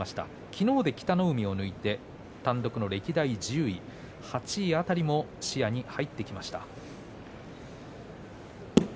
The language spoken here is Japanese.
昨日で北の湖を抜いて単独の歴代１０位８位辺りも視野に入ってきました。